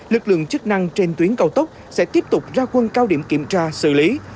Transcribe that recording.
lực lượng chức năng trên tuyến cao tốc sẽ tiếp tục ra quân cao điểm kiểm tra xử lý